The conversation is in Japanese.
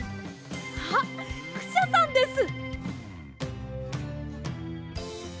あっクシャさんです！